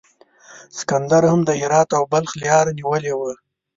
سکندر هم د هرات او بلخ لیاره نیولې وه.